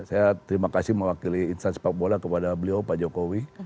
saya terima kasih mewakili insan sepak bola kepada beliau pak jokowi